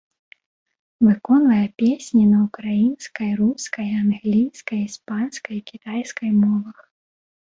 Выконвае песні на ўкраінскай, рускай, англійскай, іспанскай і кітайскай мовах.